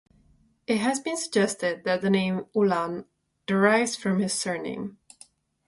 It has been suggested that the name Uhlan derives from his surname.